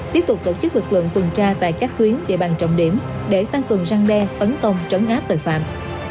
tiếp tục tổ chức lực lượng tuần tra tại các tuyến địa bàn trọng điểm để tăng cường răng đe tấn công trấn áp tội phạm